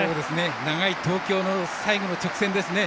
長い東京の最後の直線ですね。